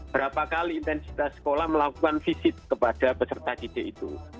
berapa kali intensitas sekolah melakukan visit kepada peserta didik itu